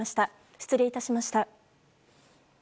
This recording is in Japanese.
失礼致しました。